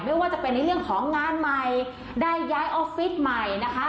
ไม่ว่าจะเป็นในเรื่องของงานใหม่ได้ย้ายออฟฟิศใหม่นะคะ